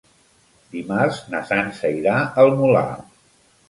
Dimarts na Sança irà al Molar.